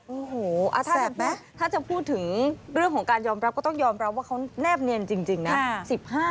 โอ้โหแปลกไหมถ้าจะพูดถึงเรื่องของการยอมรับก็ต้องยอมรับว่าเขาแนบเนียนจริงนะ